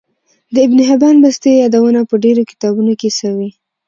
د ابن حبان بستي يادونه په ډیرو کتابونو کی سوی